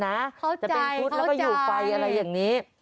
เข้าใจเข้าใจจะเป็นชุดแล้วก็อยู่ไฟอะไรอย่างนี้